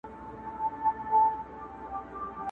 دا دلیل د امتیاز نه سي کېدلای!.